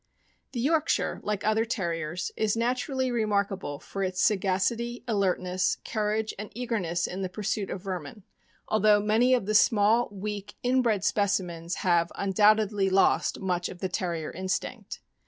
The Yorkshire, like other Terriers, is naturally remark able for its sagacity, alertness, courage, and eagerness in the pursuit of vermin, although many of the small, weak, inbred specimens have, undoubtedly, lost much of the Terrier instinct.